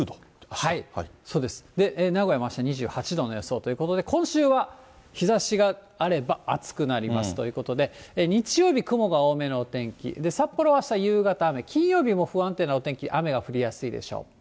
そうです、名古屋もあした２６度予想ということで、今週は日ざしがあれば、暑くなりますということで、日曜日、雲が多めのお天気、札幌は夕方雨、金曜日も不安定なお天気、雨が降りやすいでしょう。